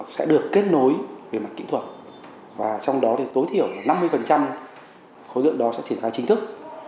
sẽ được kết nối về mặt kỹ thuật và trong đó thì tối thiểu là năm mươi khối lượng đó sẽ triển khai chính thức